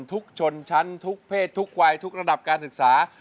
ชนชั้นทุกเพศทุกวัยทุกระดับการศึกษา